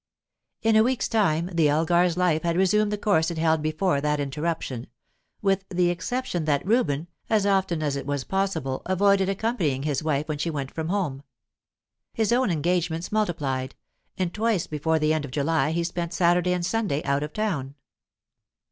In a week's time, the Elgars' life had resumed the course it held before that interruption with the exception that Reuben, as often as it was possible, avoided accompanying his wife when she went from home. His own engagements multiplied, and twice before the end of July he spent Saturday and Sunday out of town.